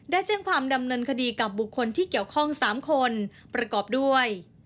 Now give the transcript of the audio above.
แจ้งความดำเนินคดีกับบุคคลที่เกี่ยวข้อง๓คนประกอบด้วย